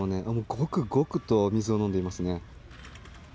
ごくごくと水を飲んでいます。